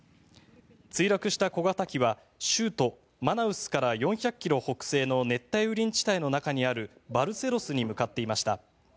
墜落した小型機は州都マナウスから４００ｋｍ北西の熱帯雨林地帯の中にあるバルセロスに向かっていました。